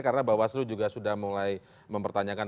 karena bawaslu juga sudah mulai mempertanyakan